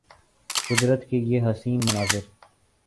قدرت کے یہ حسین مناظر